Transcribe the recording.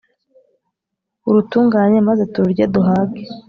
urutunganye maze tururye duhage